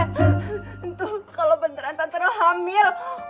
tuh kalo beneran tantara hamil